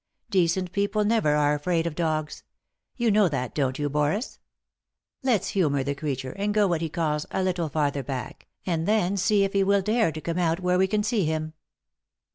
Decent people never are afraid of dogs ; you know that, don't you, Boris ? Let's humour the creature, and go what he calls 'a little farther back,' and then see if he will dare to come out where we can see him."